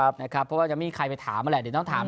เพราะว่าจะไม่มีใครไปถามนั่นแหละเดี๋ยวต้องถาม